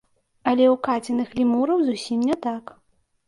Але ў каціных лемураў зусім не так.